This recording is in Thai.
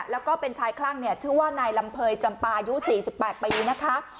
แล้วก็เป็นชายคลั่งเนี่ยชื่อว่านายลำเภยจำปาอายุ๔๘ปีนะคะ